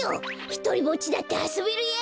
ひとりぼっちだってあそべるやい！